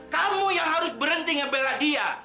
kamu yang harus berhenti ngebela dia